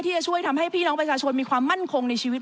จะช่วยทำให้พี่น้องประชาชนมีความมั่นคงในชีวิต